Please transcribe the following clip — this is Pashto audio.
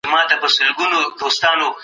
افغان هلکان د پوره قانوني خوندیتوب حق نه لري.